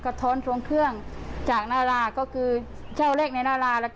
ท้อนทวงเครื่องจากนาราก็คือเช่าแรกในนารา